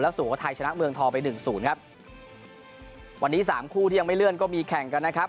สุโขทัยชนะเมืองทองไปหนึ่งศูนย์ครับวันนี้สามคู่ที่ยังไม่เลื่อนก็มีแข่งกันนะครับ